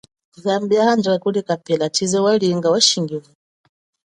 Zambi ya handjika kuli kapela, chize walinga washingiwa.